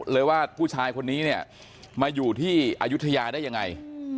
เลยว่าผู้ชายคนนี้เนี่ยมาอยู่ที่อายุทยาได้ยังไง